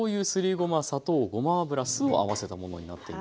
ごま砂糖ごま油酢を合わせたものになっています。